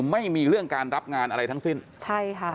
ไม่มีเรื่องการรับงานอะไรทั้งสิ้นใช่ค่ะ